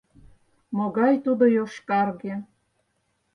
Могай тудо йошкарге!..